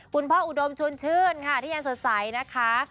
คุณพ่ออุดมชวนชื่นค่ะที่ยังสดใสนะคะ